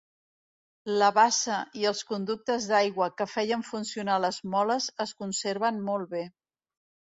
La bassa i els conductes d'aigua que feien funcionar les moles es conserven molt bé.